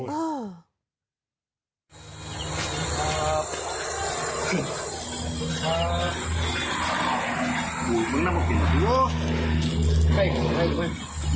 นี่คือเฉลิมพงศ์